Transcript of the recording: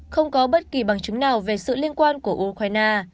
không có bất kỳ bằng chứng nào về sự liên quan của ukraine